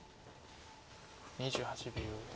２８秒。